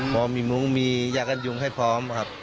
พอมีมุ้งมียากันยุงให้พร้อมครับ